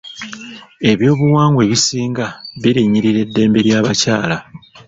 Eby'obuwangwa ebisinga birinnyirira eddembe ly'abakyala.